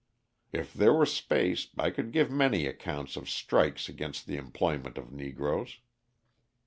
If there were space I could give many accounts of strikes against the employment of Negroes.